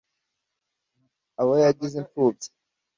abo yagize impfubyi